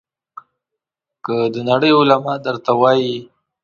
که د نړۍ علما درته وایي.